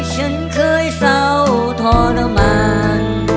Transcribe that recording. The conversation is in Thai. ฉันเคยเศร้าทรมาน